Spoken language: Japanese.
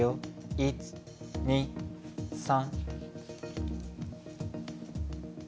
１２３。